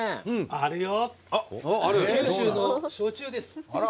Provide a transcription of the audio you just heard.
あるよ、九州の焼酎です。